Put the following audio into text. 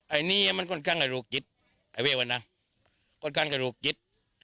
ไอ้นี้มันค่อนข้างกัจลูกจิตไอ้เววัณาค่อนข้างกัจลูกจิต